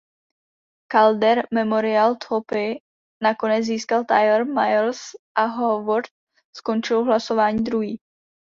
Calder Memorial Trophy nakonec získal Tyler Myers a Howard skončil v hlasování druhý.